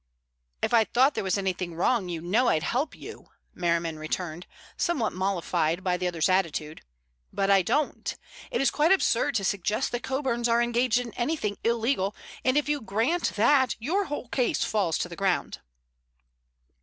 "If I thought there was anything wrong you know I'd help you," Merriman returned, somewhat mollified by the other's attitude. "But I don't. It is quite absurd to suggest the Coburns are engaged in anything illegal, and if you grant that your whole case falls to the ground."